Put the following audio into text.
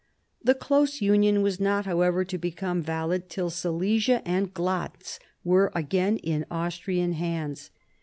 The close union was not, however, to become valid till Silesia and Glatz were again in Austrian hands.